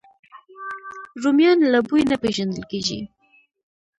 رومیان له بوی نه پېژندل کېږي